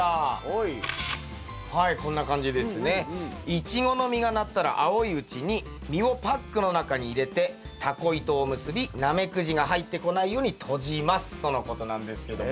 イチゴの実がなったら青いうちに実をパックの中に入れてたこ糸を結びナメクジが入ってこないように閉じますとのことなんですけども。